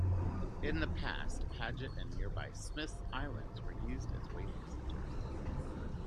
In the past Paget and nearby Smith's Island were used as whaling centers.